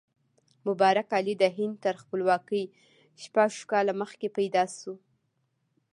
مبارک علي د هند تر خپلواکۍ شپږ کاله مخکې پیدا شو.